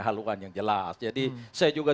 haluan yang jelas jadi saya juga